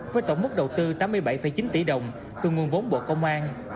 với tổng mức đầu tư tám mươi bảy chín tỷ đồng từ nguồn vốn bộ công an